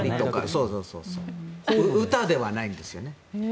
歌ではないんですよね。